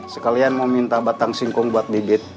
sekalian mau minta batang singkong buat bibit